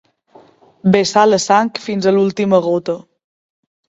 Vessar la sang fins a l'última gota.